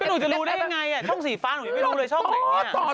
หนูจะรู้ได้ยังไงช่องสีฟ้าหนูยังไม่รู้เลยช่องไหน